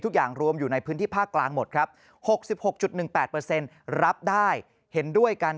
รวมอยู่ในพื้นที่ภาคกลางหมดครับ๖๖๑๘รับได้เห็นด้วยกัน